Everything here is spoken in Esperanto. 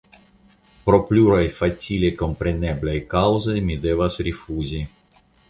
Pro pluraj facile kompreneblaj kaŭzoj mi devas rifuzi.